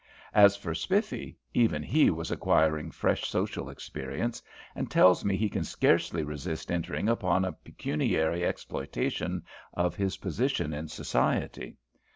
As for Spiffy, even he was acquiring fresh social experience, and tells me he can scarcely resist entering upon a pecuniary exploitation of his position in society.